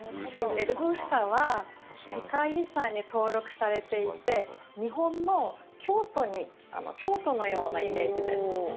ブルサは世界遺産に登録されていて、日本の京都のようなイメージです。